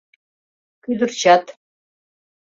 Кӱдырчат